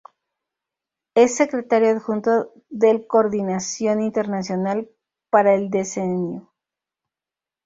Es secretario adjunto del Coordinación internacional para el Decenio.